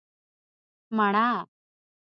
🍏 مڼه